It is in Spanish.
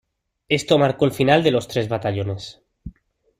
Esto marcó el final de los tres batallones.